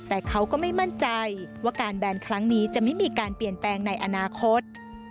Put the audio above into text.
แต่เขาก็ไม่มั่นใจว่าการแบนครั้งนี้จะไม่มีการเปลี่ยนแปลงในอนาคต